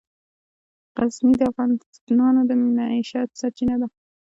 غزني د افغانانو د معیشت سرچینه ده.